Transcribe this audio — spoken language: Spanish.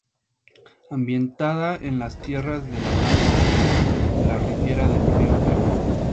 Ambientada en las tierras de labranza de la ribera del Río Ebro.